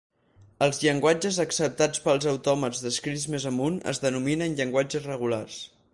Els llenguatges acceptats pels autòmats descrits més amunt es denominen llenguatges regulars.